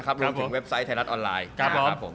รวมถึงเว็บไซต์ไทยรัฐออนไลน์ครับผม